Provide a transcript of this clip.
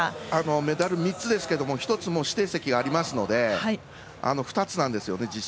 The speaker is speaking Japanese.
メダル３つですけども１つ指定席がありますので２つなんですよね、実質。